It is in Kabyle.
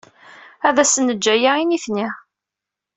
Ad asen-neǧǧ aya i nitni.